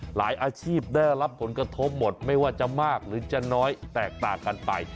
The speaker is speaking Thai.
อาชีพได้รับผลกระทบหมดไม่ว่าจะมากหรือจะน้อยแตกต่างกันไป